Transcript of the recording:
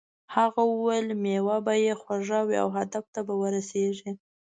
هغه وویل میوه به یې خوږه وي او هدف ته به ورسیږې.